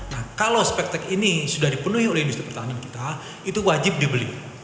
nah kalau spektac ini sudah dipenuhi oleh industri pertahanan kita itu wajib dibeli